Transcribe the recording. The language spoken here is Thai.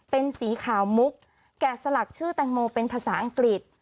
เป็นสีขาวมุกแกะสลักชื่อแตงโมเป็นภาษาอังกฤษ